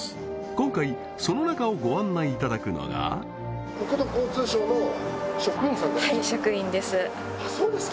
今回その中をご案内いただくのがあっそうですか？